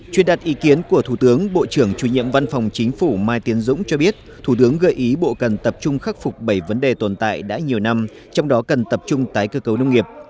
truyền đặt ý kiến của thủ tướng bộ trưởng chủ nhiệm văn phòng chính phủ mai tiến dũng cho biết thủ tướng gợi ý bộ cần tập trung khắc phục bảy vấn đề tồn tại đã nhiều năm trong đó cần tập trung tái cơ cấu nông nghiệp